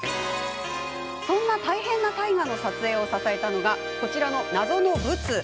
そんな大変な大河の撮影を支えたのが、こちらの謎のブツ。